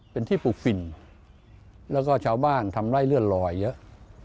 เป็นที่ปลูกฝิ่นแล้วก็ชาวบ้านทำไล่เลื่อนลอยเยอะ